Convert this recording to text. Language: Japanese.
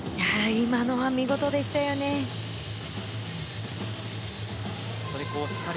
今のは見事でしたよね。